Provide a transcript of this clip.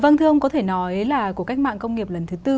vâng thưa ông có thể nói là cuộc cách mạng công nghiệp lần thứ tư